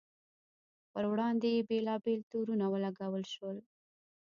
پر وړاندې یې بېلابېل تورونه ولګول شول.